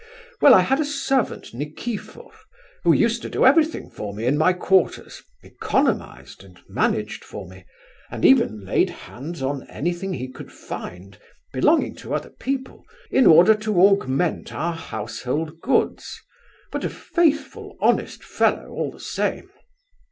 Well, I had a servant Nikifor who used to do everything for me in my quarters, economized and managed for me, and even laid hands on anything he could find (belonging to other people), in order to augment our household goods; but a faithful, honest fellow all the same.